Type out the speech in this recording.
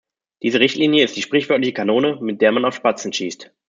Diese Richtlinie ist die sprichwörtliche Kanone, mit der man auf Spatzen schießt.